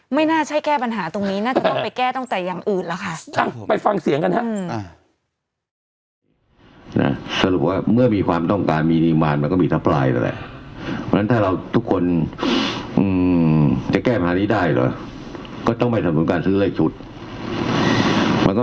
ไม่น่าใช่แก้ปัญหาตรงนี้น่าจะต้องไปแก้ต้องจ่ายอ่ำอืดหรอคะ